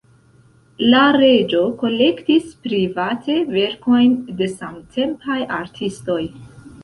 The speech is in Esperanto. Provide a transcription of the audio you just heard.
La reĝo kolektis private verkojn de samtempaj artistoj.